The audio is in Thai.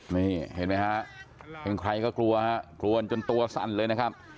นี่เห็นไหมฮะเป็นใครก็กลัวฮะกลัวจนตัวสั่นเลยนะครับ